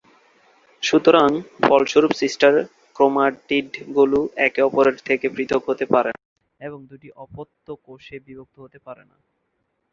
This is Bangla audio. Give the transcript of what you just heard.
সুতরাং, ফলস্বরূপ সিস্টার-ক্রোমাটিডগুলো একে অপরের থেকে পৃথক হতে পারে না এবং দুটি অপত্য কোষে বিভক্ত হতে পারে না।